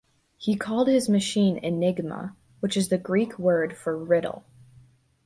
He called his machine Enigma, which is the Greek word for "riddle."